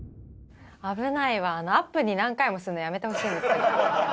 危ないわ、アップに何回もするのやめてほしいんですけど。